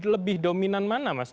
lebih dominan mana mas